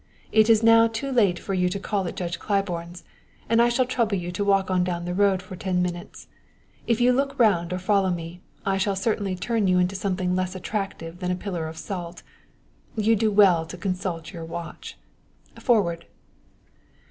It is now too late for you to call at Judge Claiborne's, and I shall trouble you to walk on down the road for ten minutes. If you look round or follow me, I shall certainly turn you into something less attractive than a pillar of salt. You do well to consult your watch forward!"